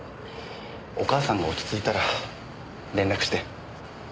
お母さんが落ち着いたら連絡して。